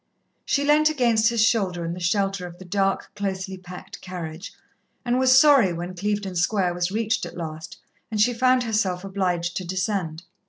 She leant against his shoulder in the shelter of the dark, closely packed carriage, and was sorry when Clevedon Square was reached at last, and she found herself obliged to descend.